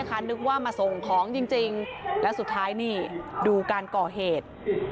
นึกว่ามาส่งของจริงแล้วสุดท้ายนี่ดูการก่อเหตุ